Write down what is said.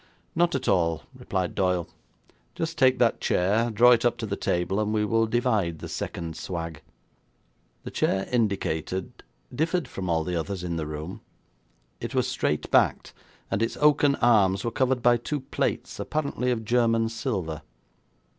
'Not at all,' replied Doyle. 'Just take that chair, draw it up to the table and we will divide the second swag.' The chair indicated differed from all others in the room. It was straight backed, and its oaken arms were covered by two plates, apparently of German silver.